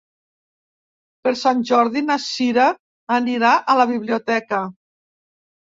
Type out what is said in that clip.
Per Sant Jordi na Cira anirà a la biblioteca.